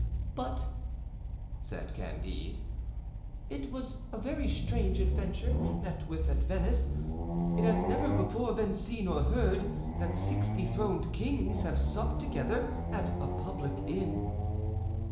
"But," said Candide, "it was a very strange adventure we met with at Venice. It has never before been seen or heard that six dethroned kings have supped together at a public inn."